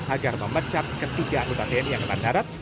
agar memecat ketiga utak tni yang kemandarat